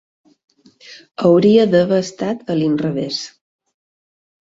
Hauria d'haver estat a l'inrevés.